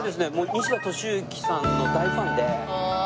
西田敏行さんの大ファンで。